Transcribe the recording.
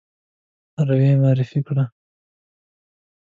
روی معرفي کړ.